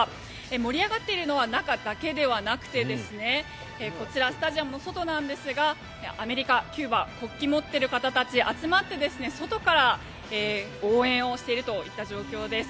盛り上がっているのは中だけではなくてこちらスタジアムの外なんですがアメリカ、キューバ国旗持ってる方たち集まって外から応援をしているといった状況です。